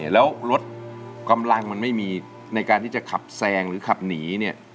แล้วรถกำลังมันไม่มีในการที่จะขับแซงหรือขับหนีเนี่ย